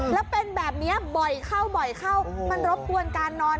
และเป็นแบบนี้บ่อยเข้ามันรบปวนการนอน